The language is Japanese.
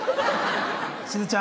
しずちゃん。